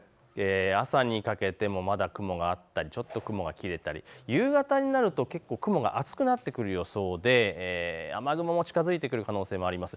朝にかけてもまだ雲があってちょっと雲が切れたり夕方になると雲が厚くなってくる予想で雨雲も近づいてくる可能性もあります。